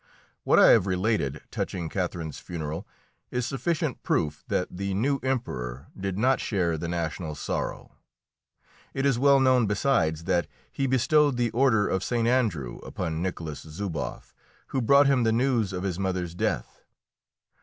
What I have related touching Catherine's funeral is sufficient proof that the new Emperor did not share the national sorrow; it is well known, besides, that he bestowed the order of St. Andrew upon Nicholas Zuboff, who brought him the news of his mother's death.